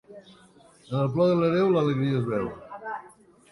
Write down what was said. En el plor de l'hereu, l'alegria es veu.